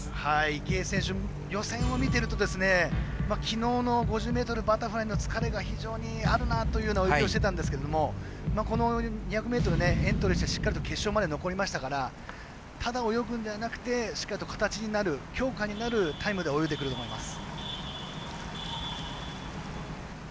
池江選手予選を見てるときのうの５０ｍバタフライの疲れが非常にあるなという泳ぎをしていたんですけどもこの２００ｍエントリーしてしっかりと決勝まで残りましたからただ泳ぐのではなくてしっかりと形になる強化になるタイムで泳いでくると思います。